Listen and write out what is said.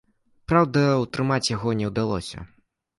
Праўда, утрымаць яго не ўдалося.